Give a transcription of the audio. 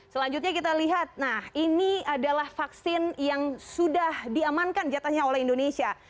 selanjutnya kita lihat nah ini adalah vaksin yang sudah diamankan jatahnya oleh indonesia